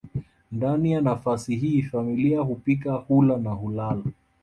Ndani ya nafasi hii familia hupika hula na hulala